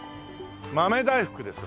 豆大福です。